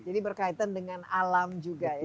jadi berkaitan dengan alam juga ya